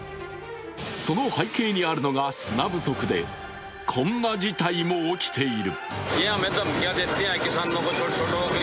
その背景にあるのが砂不足でこんな事態も起きている。